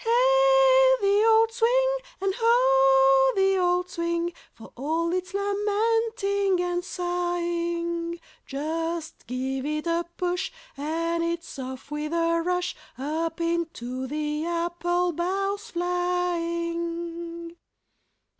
Hey! the old swing, And ho! the old swing; For all its lamenting and sighing, Just give it a push, And it's off with a rush, Up into the apple boughs flying.